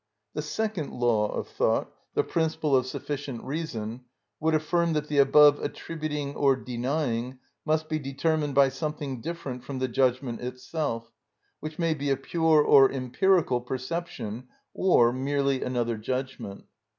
The second law of thought, the principle of sufficient reason, would affirm that the above attributing or denying must be determined by something different from the judgment itself, which may be a (pure or empirical) perception, or merely another judgment.